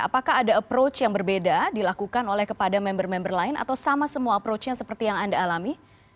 apakah ada approach yang berbeda dilakukan oleh kepada member member lain atau sama semua approach nya seperti yang anda alami